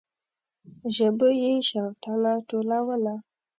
ژبو يې شوتله ټولوله.